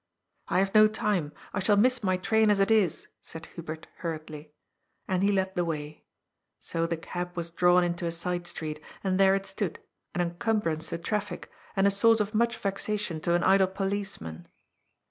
*' I have no time. I shall miss my train as it is," said Hubert hurriedly. And he led the way. So the cab was drawn into a side street, and there it stood, an encumbrance to traffic, and a source of much vexation to an idle police man.